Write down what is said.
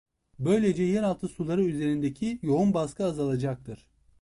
Böylece yeraltı suları üzerindeki yoğun baskı azalacaktır.